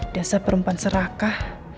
dasar perempuan serakah